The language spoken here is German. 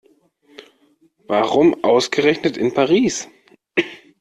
Warum ausgerechnet in Paris?